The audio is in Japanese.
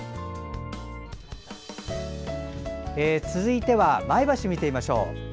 続いては、前橋を見てみましょう。